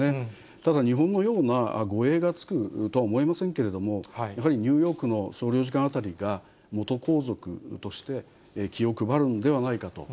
ただ日本のような護衛がつくとは思えませんけれども、やはりニューヨークの総領事館あたりが、元皇族として気を配るんではないかと。